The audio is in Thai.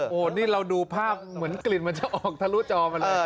โอ้โหนี่เราดูภาพเหมือนกลิ่นมันจะออกทะลุจอมาเลย